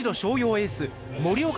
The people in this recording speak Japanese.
エース森岡